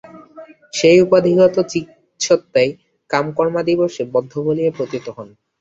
সেই উপাধিগত চিৎসত্তাই কামকর্মাদিবশে বদ্ধ বলিয়া প্রতীত হন।